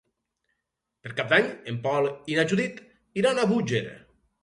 Per Cap d'Any en Pol i na Judit iran a Búger.